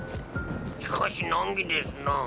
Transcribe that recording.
しかし難儀ですな。